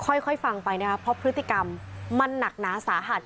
ค่อยฟังไปนะครับเพราะพฤติกรรมมันหนักหนาสาหัส